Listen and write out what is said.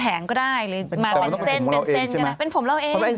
แต่ว่าต้องเป็นฝ่ำเราเองใช่ไหมเป็นฝ่ำเราเอง